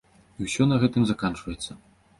І ўсё на гэтым заканчваецца.